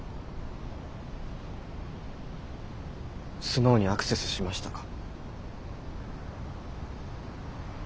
スノウにアクセスしましたか？